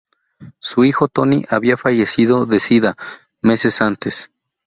Su hijo Tony había fallecido de sida meses antes.